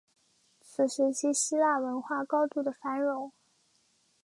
此时期希腊文化高度的繁荣